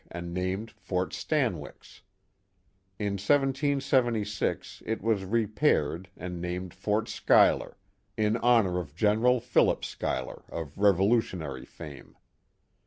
and named Fort Stanwix. In 177611 was repaired and named Fort Schuyler, in honor of General Philip Schuyler, of Revolutionary fame.